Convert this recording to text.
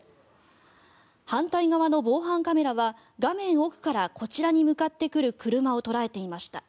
反対側の防犯カメラは画面奥からこちらに向かってくる車を捉えていました。